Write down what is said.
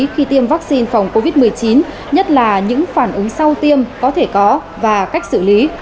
khi tiêm vaccine phòng covid một mươi chín nhất là những phản ứng sau tiêm có thể có và cách xử lý